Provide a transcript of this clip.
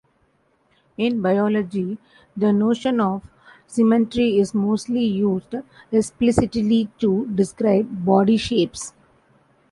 In biology, the notion of symmetry is mostly used explicitly to describe body shapes.